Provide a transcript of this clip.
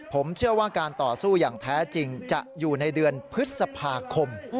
ผมเชื่อว่าการต่อสู้อย่างแท้จริงจะอยู่ในเดือนพฤษภาคม